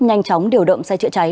nhanh chóng điều động xe chữa cháy